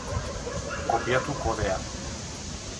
Kopiatu kodea.